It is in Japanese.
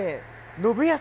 信康」。